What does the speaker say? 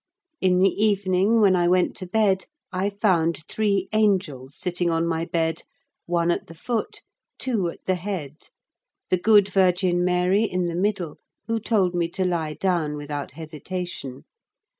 In the evening, when I went to bed, I found three angels sitting on my bed, one at the foot, two at the head, the good Virgin Mary in the middle, who told me to lie down without hesitation.